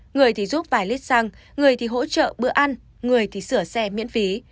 người thì giúp vài lít xăng người thì hỗ trợ bữa ăn người thì sửa xe miễn phí